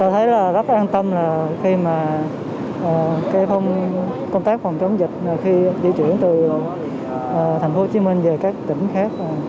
khi mà công tác phòng chống dịch khi di chuyển từ thành phố hồ chí minh về các tỉnh khác